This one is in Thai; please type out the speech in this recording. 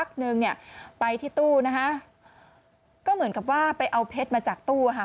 ก็เหมือนกับว่าไปเอาเพชรมาจากตู้หาย